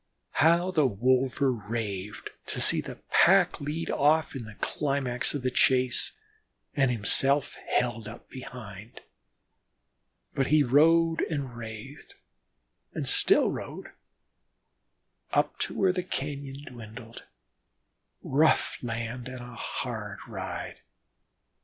How the wolver raved to see the pack lead off in the climax of the chase, and himself held up behind. But he rode and wrathed and still rode, up to where the cañon dwindled rough land and a hard ride.